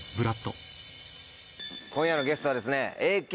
今夜のゲストはですね